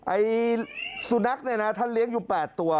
ไอ้สุนัขเนี่ยนะท่านเลี้ยงอยู่๘ตัว